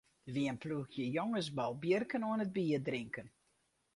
Der wie in ploechje jonges bolbjirken oan it bierdrinken.